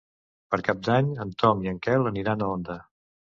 Per Cap d'Any en Ton i en Quel aniran a Onda.